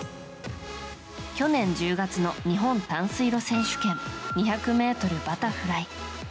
去年１０月の日本短水路選手権２００ｍバタフライ。